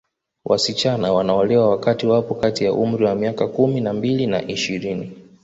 Wasichana wanaolewa wakati wapo kati ya umri wa miaka kumi na mbili na ishirini